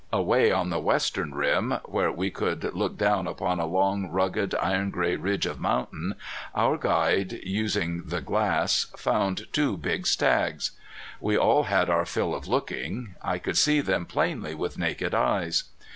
Away on the western rim, where we could look down upon a long rugged iron gray ridge of mountain, our guide using the glass, found two big stags. We all had our fill of looking. I could see them plainly with naked eyes.